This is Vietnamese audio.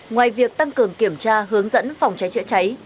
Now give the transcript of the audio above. ngoài việc tăng cường kiểm tra hướng dẫn phòng cháy chữa cháy